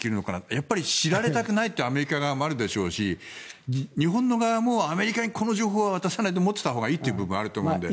やっぱり知られたくないってアメリカ側もあるでしょうし日本の側もアメリカにこの情報は渡さないほうがいいと思っているかもしれないので。